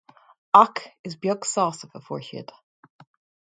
Ach is beag sásamh a fuair siad.